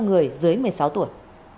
người dưới một mươi sáu tuổi